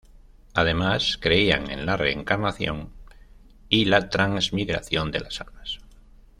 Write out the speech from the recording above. Además, creían en la reencarnación y la transmigración de las almas.